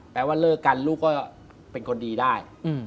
ว่าเลิกกันลูกก็เป็นคนดีได้